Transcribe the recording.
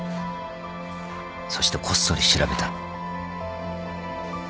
そしてこっそり調べた。